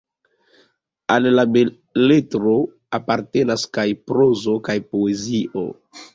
Al la beletro apartenas kaj prozo kaj poezio.